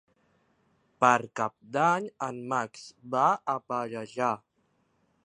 Per Cap d'Any en Max va a Pallejà.